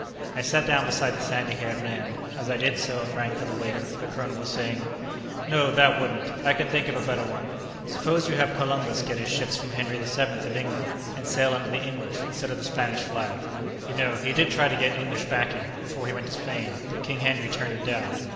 I sat down beside the sandy haired man; as I did so and rang for the waiter, the colonel was saying: "No, that wouldn't. I can think of a better one. Suppose you have Columbus get his ships from Henry the Seventh of England and sail under the English instead of the Spanish flag. You know, he did try to get English backing, before he went to Spain, but King Henry turned him down.